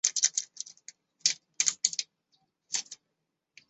演出阿满的恋情而获得金甘蔗影展最佳女主角。